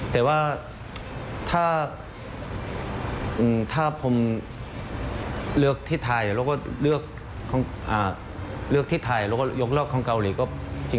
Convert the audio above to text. แต่ว่าถ้าผมเลือกที่ไทยแล้วก็เลือกที่เกาหลี